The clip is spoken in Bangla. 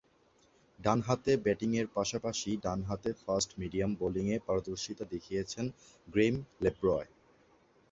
ডানহাতে ব্যাটিংয়ের পাশাপাশি ডানহাতে ফাস্ট মিডিয়াম বোলিংয়ে পারদর্শিতা দেখিয়েছেন গ্রেইম লেব্রয়।